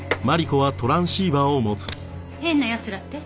変な奴らって？